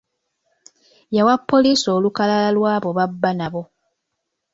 Yawa poliisi olukalala lw'abo b'abba nabo.